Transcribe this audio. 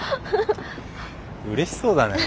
うれしそうだね。